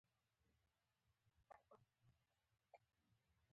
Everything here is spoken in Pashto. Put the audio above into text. هر یو یې باور له منځه وړي.